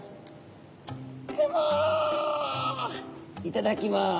いただきます」。